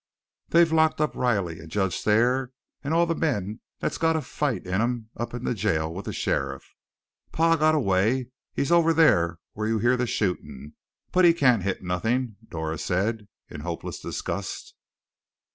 "They've locked Riley, and Judge Thayer, and all the men that's got a fight in 'em up in jail with the sheriff. Pa got away he's over there where you hear that shootin' but he can't hit nothin'!" Dora said, in hopeless disgust.